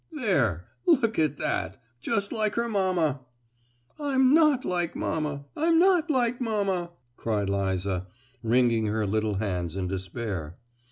"There—look at that! Just like her mamma!" "I'm not like mamma, I'm not like mamma!" cried Liza, wringing her little hands in despair.